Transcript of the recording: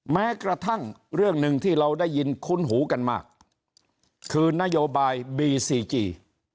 แม้กระทั่งเรื่องหนึ่งที่เราได้ยินคุ้นหูกันมากคือนโยบายบีซีจี